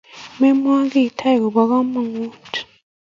Memwa kiy tai kobo komonut